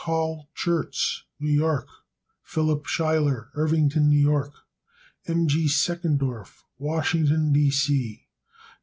Carl Schurz, New York. Philip Schuyler, Irvington, N. Y. M. G. Seckendorf, Washington, D. C. Dr.